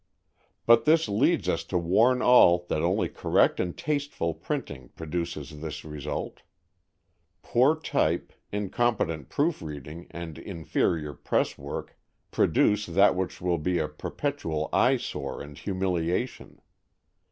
But this leads us to warn all that only correct and tasteful printing produces this result. Poor type, incompetent proof reading and inferior presswork produce that which will be a perpetual eyesore and humiliation.